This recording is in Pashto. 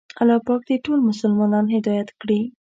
الله پاک دې ټول مسلمانان هدایت کړي.